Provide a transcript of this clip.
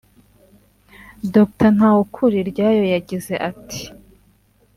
Dr Ntawukuriryayo yagize ati "[